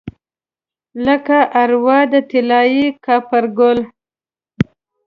لکه اروا د طلايي کاپرګل